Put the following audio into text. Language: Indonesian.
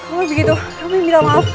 oh begitu kami minta maaf